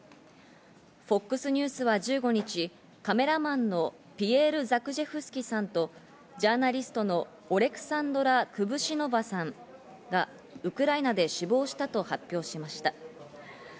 ＦＯＸニュースは１５日、カメラマンのピエール・ザクジェフスキさんとジャーナリストのオレクサンドラ・クブシノヴァさんがウクライナで死亡したと発表しました。